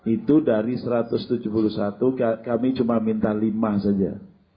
itu dari satu ratus tujuh puluh satu kami cuma minta lima saja